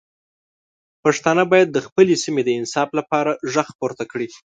پښتانه باید د خپلې سیمې د انصاف لپاره غږ پورته کړي.